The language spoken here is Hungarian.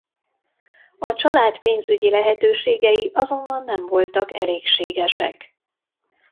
A család pénzügyi lehetőségei azonban nem voltak elégségesek.